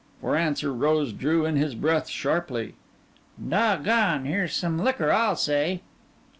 For answer Rose drew in his breath sharply. "Doggone! Here's some liquor I'll say!"